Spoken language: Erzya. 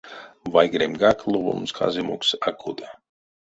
Вайгелемгак ловомс казямокс а кода.